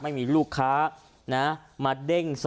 ไม่มีลูกค้ามาเด้ง